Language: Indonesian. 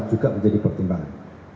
juga menjadi pertimbangan